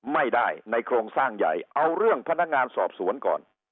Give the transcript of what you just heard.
ไม่ได้ในโครงสร้างใหญ่เอาเรื่องพนักงานสอบสวนก่อน